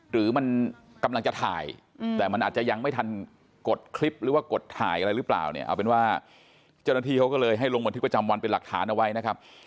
หรือมันกำลังจะถ่ายแต่มันอาจจะยังไม่ทันกดคลิปหรือว่ากดถ่ายอะไรหรือเปล่าเนี่ยเอาเป็นว่าเจ้าหน้าที่เขาก็เลยให้ลงบันทึกประจำวันเป็นหลักฐานเอาไว้นะครับ